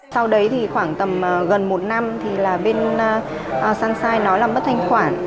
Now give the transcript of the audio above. sau đấy thì khoảng tầm gần một năm thì là bên sunshine nó là mất thanh khoản